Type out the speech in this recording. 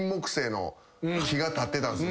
立ってたんです。